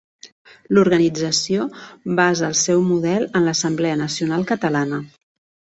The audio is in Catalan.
L'organització basa el seu model en l'Assemblea Nacional Catalana.